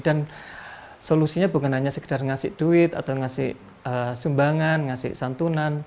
dan solusinya bukan hanya sekedar ngasih duit atau ngasih sumbangan ngasih santunan